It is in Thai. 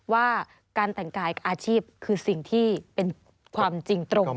ว่าการแต่งกายอาชีพคือสิ่งที่เป็นความจริงตรง